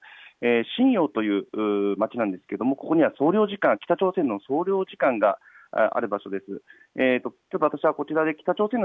瀋陽という町なんですけれどもここには総領事、北朝鮮の総領事館がある場所です。